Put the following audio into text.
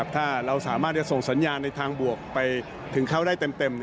ถ้าเราสามารถจะส่งสัญญาณในทางบวกไปถึงเขาได้เต็ม